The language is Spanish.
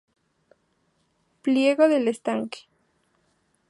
Pliego del estanque.